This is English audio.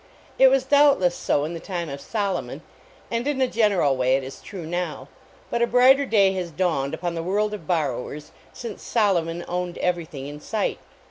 It was doubtless so in the time of Solomon, and in a general way it is true now, but a brighter day has dawned upon the world of borrowers since Solomon owned everything in sight.